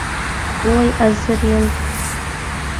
Ой, азырен!